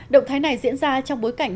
động thái này diễn ra trong bối cảnh